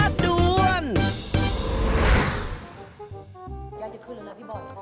อยากจะขึ้นเหรอพี่บ่อย